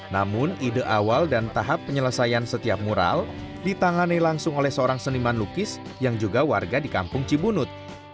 namun ide awal dan tahap penyelesaian setiap mural ditangani langsung oleh seorang seniman lukis yang juga warga di kampung cibunut